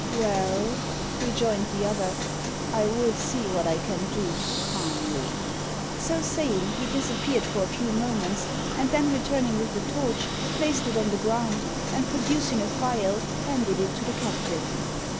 "Well," rejoined the other, "I will see what I can do to calm you." So saying, he disappeared for a few moments, and then returning with a torch, placed it on the ground, and producing a phial, handed it to the captive.